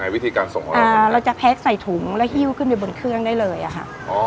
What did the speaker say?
วิธีส่งการส่งของเรา